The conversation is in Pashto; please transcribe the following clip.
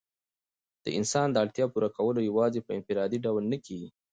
د انسان د اړتیا پوره کول یوازي په انفرادي ډول نه کيږي.